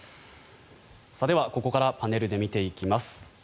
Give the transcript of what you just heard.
ではここからパネルで見ていきます。